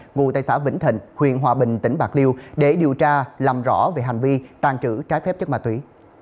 ngụ tại xã vĩnh thịnh huyện hòa bình tỉnh bạc liêu để điều tra làm rõ về hành vi tàn trữ trái phép chất ma túy